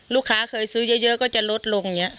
ลูกค้าเคยซื้อเยอะก็จะลดลงอย่างนี้